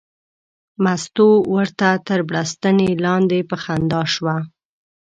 مستو ورته تر بړستنې لاندې په خندا شوه.